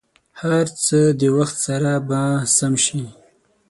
هر څه د وخت سره به سم شي.